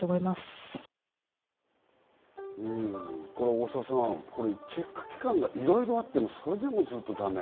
大沢さん、これチェック機関がいろいろあっても、それでもずっとだめ。